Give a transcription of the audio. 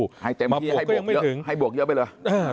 ให้เต็มที่ให้บวกเยอะให้บวกเยอะไปเลย